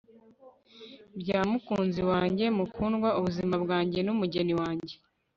bya mukunzi wanjye- mukundwa- ubuzima bwanjye n'umugeni wanjye